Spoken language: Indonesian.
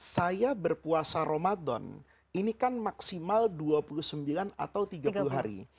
saya berpuasa ramadan ini kan maksimal dua puluh sembilan atau tiga puluh hari